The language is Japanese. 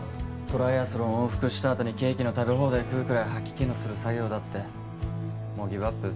トライアスロン往復したあとにケーキの食べ放題食うくらい吐き気のする作業だってもうギブアップ？